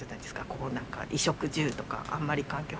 こうなんか衣食住とかあんまり。